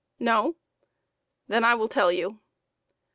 No ! Then I will tell you.